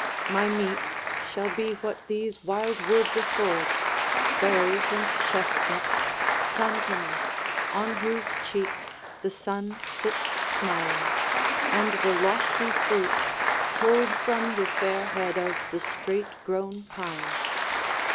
My meat shall be what these wild woods afford, Berries and chestnuts, plantains, on whose cheeks The sun sits smiling, and the lofty fruit Pulled from the fair head of the straight grown pine.